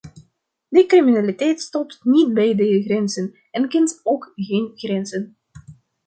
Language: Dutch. De criminaliteit stopt niet bij de grenzen en kent ook geen grenzen.